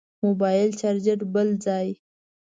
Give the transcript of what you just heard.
موبایل چارچر بل ځای.